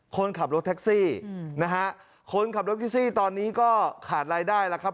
คนขับรถแท็กซี่นะฮะคนขับรถแท็กซี่ตอนนี้ก็ขาดรายได้แล้วครับ